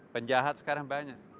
penjahat sekarang banyak